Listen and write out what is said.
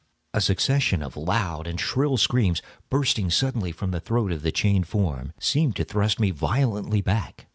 A succession of loud and shrill screams, bursting suddenly from the throat of the chained form, seemed to thrust me violently back.